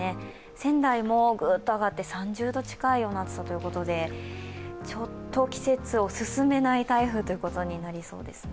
仙台もグーッと上がって３０度近い暑さということでちょっと季節を進めない台風ということになりそうですね。